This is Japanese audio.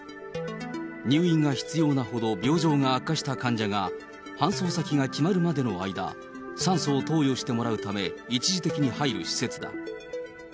入院が必要なほど病状が悪化した患者が、搬送先が決まるまでの間、酸素を投与してもらうため一時的に入る施設だ。